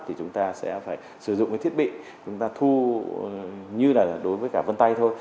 thì chúng ta sẽ phải sử dụng cái thiết bị chúng ta thu như là đối với cả vân tay thôi